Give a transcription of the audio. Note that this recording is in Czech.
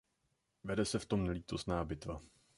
Vede se v tom nelítostná bitva.